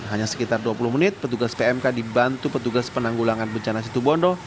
hanya sekitar dua puluh menit petugas pmk dibantu petugas penanggulangan bencana situbondo